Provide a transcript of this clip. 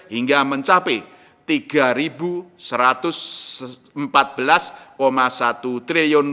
hingga mencapai rp tiga satu ratus empat belas satu triliun